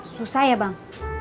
susah ya bang